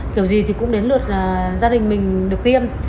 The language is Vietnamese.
kiểu gì thì cũng đến lượt gia đình mình được tiêm